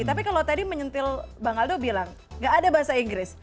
tapi kalau tadi menyentil bang aldo bilang gak ada bahasa inggris